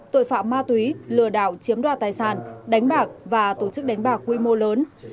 tội phạm ma túy lừa đảo chiếm đoạt tài sản đánh bạc và tổ chức đánh bạc quy mô lớn